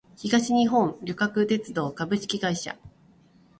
東日本旅客鉄道株式会社